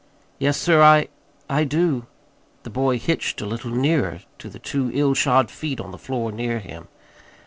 "Yes, sir, I I do." The boy hitched a little nearer to the two ill shod feet on the floor near him.